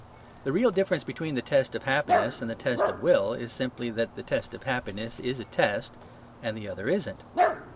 The real difference between the test of happiness and the test of will is simply that the test of happiness is a test and the other isn't.